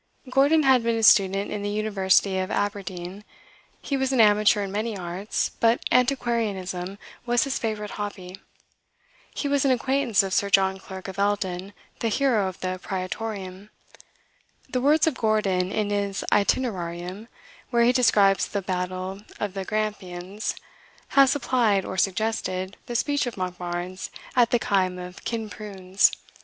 Gordon had been a student in the University of Aberdeen; he was an amateur in many arts, but antiquarianism was his favourite hobby. He was an acquaintance of Sir John Clerk of Eldin, the hero of the Praetorium. The words of Gordon in his "Itinerarium," where he describes the battle of the Grampians, have supplied, or suggested, the speech of Monkbarns at the Kaim of Kinprunes.